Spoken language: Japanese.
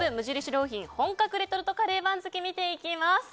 良品本格レトルトカレー番付見ていきます。